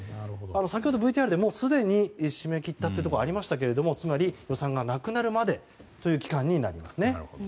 先ほど、ＶＴＲですでに締め切ったというところもありましたけれどもつまり、予算がなくなるまでという期間になりますね。